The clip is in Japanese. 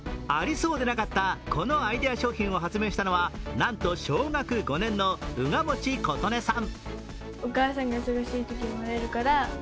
そうでなかったこのアイデア商品を発明したのは、なんと小学５年の宇賀持琴音さん。